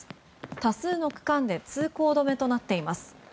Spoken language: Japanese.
多数の区間で通行止めとなっています。